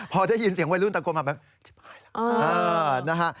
พอได้ยินเสียงวัยรุ่นต่างกว่ามาแบบชิบหายแล้ว